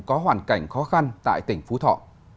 có hoàn cảnh khó khăn tại tỉnh phú thọ